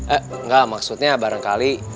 enggak maksudnya barengkali